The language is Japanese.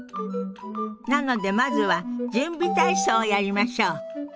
なのでまずは準備体操をやりましょう。